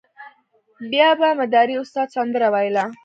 بیا به مداري استاد سندره ویله.